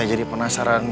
tidak ada perjalanan